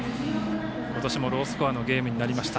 今年もロースコアのゲームになりました。